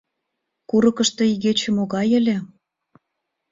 Курыкышто игече могай ыле?